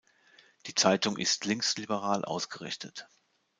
Die Zeitung ist linksliberal ausgerichtet.